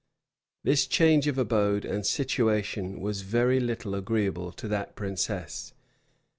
This change of abode and situation was very little agreeable to that princess.